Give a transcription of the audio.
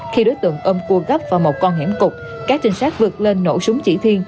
khi đối tượng ôm cua gấp vào một con hẻm cục các trinh sát vượt lên nổ súng chỉ thiên